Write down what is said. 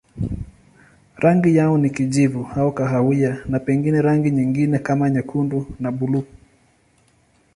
Rangi yao ni kijivu au kahawia na pengine rangi nyingine kama nyekundu na buluu.